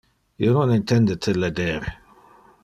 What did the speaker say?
Io non intende te leder.